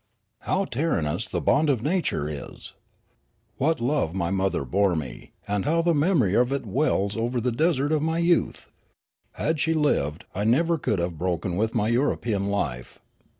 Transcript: How tyrannous the bond of nature is ! What love my mother bore me, and how the memorj^ of it wells over the desert of my youth ! Had she lived, I never could have broken with my European life.